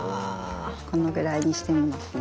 このぐらいにしてみますね。